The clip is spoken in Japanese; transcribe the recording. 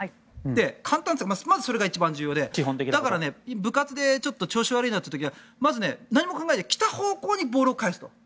簡単というかまず、それが一番重要でだから、部活でちょっと調子が悪いなという時はまず何も考えずに来た方向にボールを返すと。